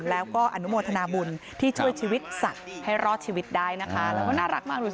แล้วก็อนุโมทนาบุญที่ช่วยชีวิตสัตว์ให้รอดชีวิตได้นะคะแล้วก็น่ารักมาก